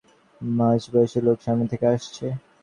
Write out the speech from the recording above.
মাঝবয়সী লোক, সামনে থেকে আসছে।